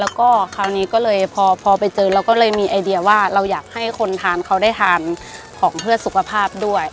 แล้วก็คราวนี้ก็เลยพอไปเจอเราก็เลยมีไอเดียว่าเราอยากให้คนทานเขาได้ทานของเพื่อสุขภาพด้วย